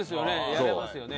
やられますよね。